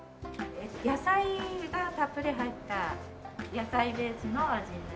野菜がたっぷり入った野菜ベースの味になります。